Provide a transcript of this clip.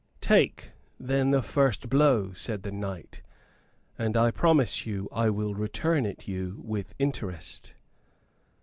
"Take, then, the first blow," said the knight, "and I promise you I will return it you with interest."